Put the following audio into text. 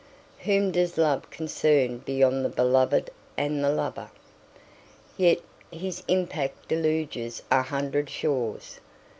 Whom does Love concern beyond the beloved and the lover? Yet his impact deluges a hundred shores.